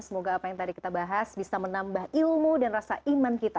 semoga apa yang tadi kita bahas bisa menambah ilmu dan rasa iman kita